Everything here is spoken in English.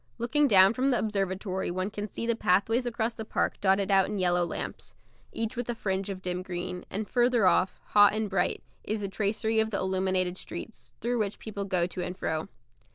Looking down from the observatory one can see the pathways across the park dotted out in yellow lamps, each with a fringe of dim green; and further off, hot and bright, is the tracery of the illuminated streets, through which the people go to and fro.